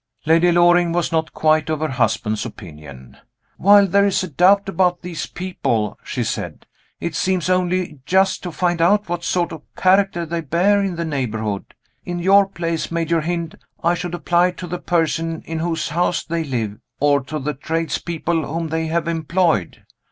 Lady Loring was not quite of her husband's opinion. "While there is a doubt about these people," she said, "it seems only just to find out what sort of character they bear in the neighborhood. In your place, Major Hynd, I should apply to the person in whose house they live, or to the tradespeople whom they have employed."